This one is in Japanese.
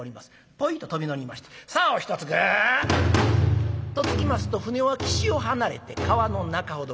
ポイッと飛び乗りましてさおをひとつグッとつきますと舟は岸を離れて川の中ほどへ。